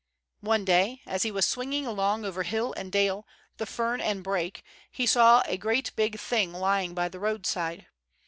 One day, as he was swinging along over hill and dale, and fern and brake, he saw a great big thing lying by the roadside.